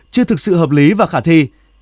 chưa thực sự hợp lý và khả thi